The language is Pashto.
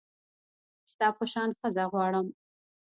ستا په شان ښځه غواړم